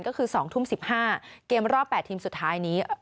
ก็คือ๒ทุ่ม๑๕เกมรอบ๘ทีมสุดท้ายนี้